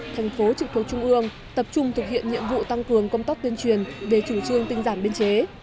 thành phố trực thuộc trung ương tập trung thực hiện nhiệm vụ tăng cường công tác tuyên truyền về chủ trương tinh giản biên chế